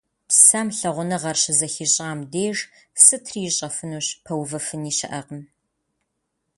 Псэм лъагъуныгъэр щызэхищӏам деж сытри ищӏэфынущ, пэувыфыни щыӏэкъым…